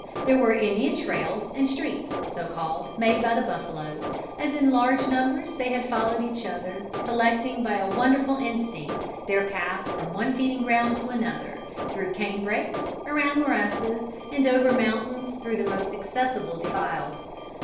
There were Indian trails and streets, so called, made by the buffaloes, as in large numbers they had followed each other, selecting by a wonderful instinct their path from one feeding ground to another, through cane brakes, around morasses, and over mountains through the most accessible defiles.